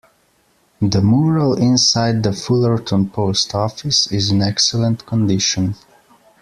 The mural inside the Fullerton Post Office is in excellent condition.